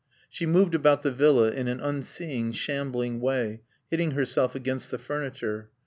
She moved about the villa in an unseeing, shambling way, hitting herself against the furniture.